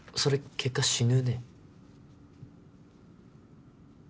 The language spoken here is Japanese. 結果死ぬね